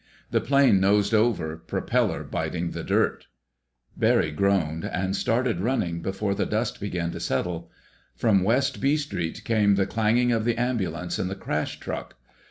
The plane nosed over, propeller biting the dirt. Barry groaned, and started running before the dust began to settle. From West B. Street came the clanging of the ambulance and the crash truck.